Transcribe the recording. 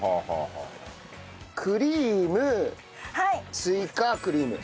クリームスイカクリーム。